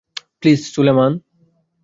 Please Sulaiman!